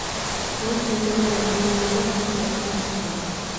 بۇ سۆزدىن ئەمدى مۇنداق بىر يەكۈن چىقىدۇ.